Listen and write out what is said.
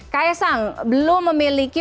kayak sang belum memiliki